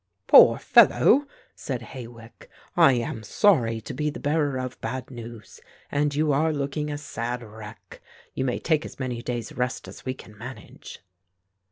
"Poor fellow," said Hawick, "I am sorry to be the bearer of bad news and you are looking a sad wreck. You must take as many days' rest as we can manage."